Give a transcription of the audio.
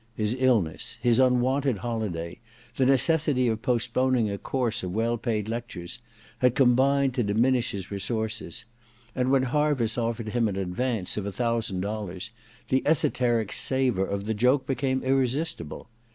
His illness, his unwonted holiday, the necessity of postponing a course of well paid lectures, had combined to diminish his resources; and when Harviss offered him an advance of a thousand dollars the esoteric savour of the joke became irresistible.